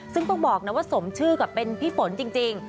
ซึ่งต้องบอกนะว่าสมชื่อกับเป็นพี่ฝนจริง